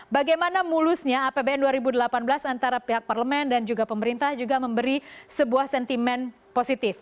bagaimana mulusnya apbn dua ribu delapan belas antara pihak parlemen dan juga pemerintah juga memberi sebuah sentimen positif